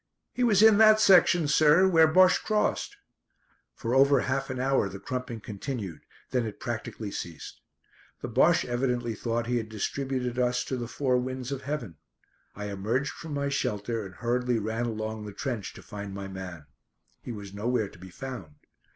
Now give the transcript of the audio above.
"He was in that section, sir, where Bosche crossed." For over half an hour the crumping continued, then it practically ceased. The Bosche evidently thought he had distributed us to the four winds of heaven. I emerged from my shelter and hurriedly ran along the trench to find my man. He was nowhere to be found.